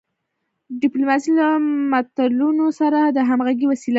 ډیپلوماسي له ملتونو سره د همږغی وسیله ده.